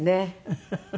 フフフフ。